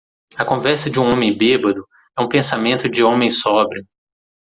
A conversa de um homem bêbado é um pensamento de homem sóbrio.